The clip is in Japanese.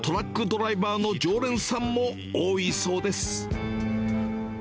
ドライバーの常連さんも多いそうです。